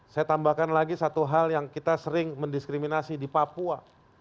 saya tambahkan lagi satu hal yang kita sering mendiskriminasi di papua